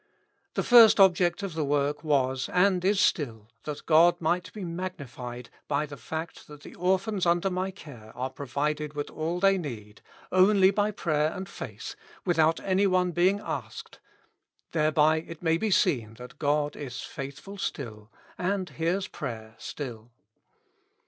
The first object of the work was, and is still : that God might be magvified by the fact that the orphans under my care are provided with all they need, only by prayer and faith^ without any one being asked ; thereby it may be seen that God is FAITHFUL STILL, AND HEARS PRAYER STILL.